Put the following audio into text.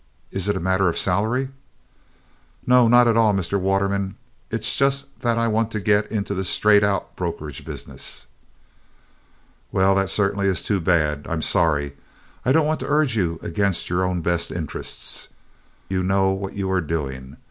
Is it a matter of salary?" "No, not at all, Mr. Waterman. It's just that I want to get into the straight out brokerage business." "Well, that certainly is too bad. I'm sorry. I don't want to urge you against your own best interests. You know what you are doing.